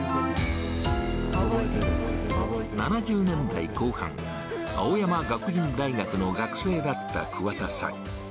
７０年代後半、青山学院大学の学生だった桑田さん。